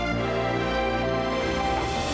enggak aku gak boleh bercinta lagi